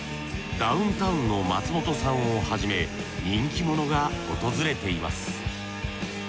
ダウンタウンの松本さんをはじめ人気者が訪れています。